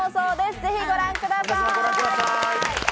ぜひご覧ください。